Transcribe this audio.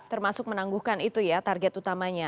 termasuk menangguhkan itu ya target utamanya